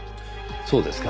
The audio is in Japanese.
そうですか。